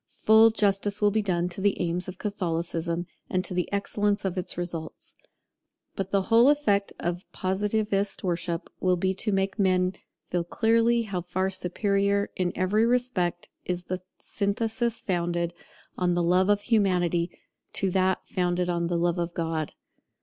Full justice will be done to the aims of Catholicism, and to the excellence of its results. But the whole effect of Positivist worship will be to make men feel clearly how far superior in every respect is the synthesis founded on the Love of Humanity to that founded on the Love of God.